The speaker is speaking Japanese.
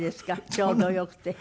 ちょうどよくて。